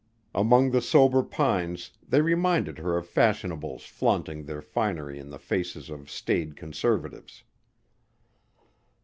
Among the sober pines they reminded her of fashionables flaunting their finery in the faces of staid conservatives.